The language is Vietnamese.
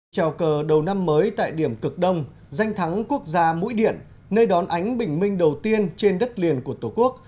chào cờ đầu năm mới tại điểm cực đông danh thắng quốc gia mũi điện nơi đón ánh bình minh đầu tiên trên đất liền của tổ quốc